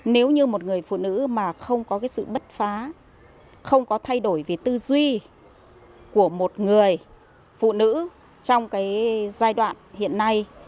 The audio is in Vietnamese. nếu như một người phụ nữ mà không có sự bất phá không có thay đổi về tư duy của một người phụ nữ trong giai đoạn hiện nay